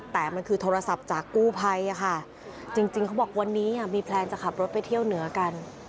แต่มันคือโทรศัพท์จากกู้ภัยค่ะจริงเขาบอกวันนี้มีแพลนจะขับรถไปเที่ยวเหนือกัน